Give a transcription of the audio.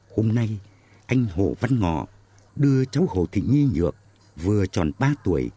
hôm nay anh hồ văn ngọ đưa cháu hồ thị nhi nhược vừa tròn ba tuổi